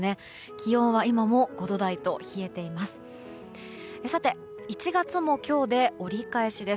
気温は今も５度台と冷えています。